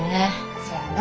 せやな。